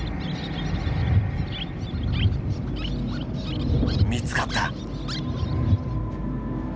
見つかった。